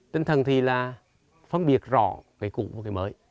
tinh thần thì là phân biệt rõ cái cũ và cái mới